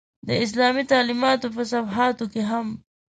د اسلامي تعلمیاتو په صفحاتو کې هم.